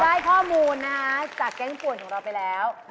ได้ข้อมูลนะคะจากแก๊งป่วนของเราไปแล้ว